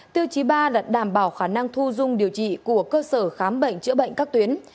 tiêu chí ba là đảm bảo khả năng thu dung điều trị của cơ sở khám bệnh chữa bệnh các tuyến